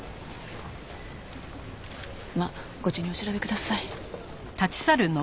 まあご自由にお調べください。